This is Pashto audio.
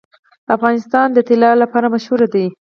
افغانستان د طلا لپاره مشهور دی.